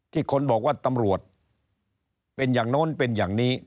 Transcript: คนบอกว่าตำรวจเป็นอย่างโน้นเป็นอย่างนี้